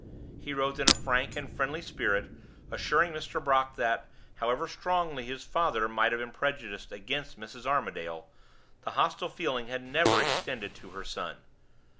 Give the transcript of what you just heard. He wrote in a frank and friendly spirit, assuring Mr. Brock that, however strongly his father might have been prejudiced against Mrs. Armadale, the hostile feeling had never extended to her son.